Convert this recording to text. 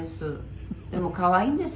「でも可愛いんですよ